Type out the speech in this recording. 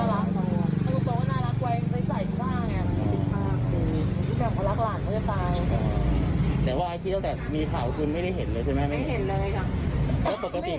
ลูกน่ารักแต่ลูกตัวน่ารักกว่าไอ้มันเคยใส่ทุกท่างอ่ะ